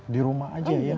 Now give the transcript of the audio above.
di rumah saja ya